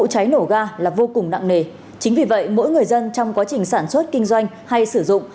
chính vì vậy mỗi người dân trong quá trình sản xuất kinh doanh hay sử dụng